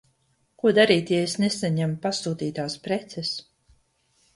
Ko darīt, ja es nesaņemu pasūtītās preces?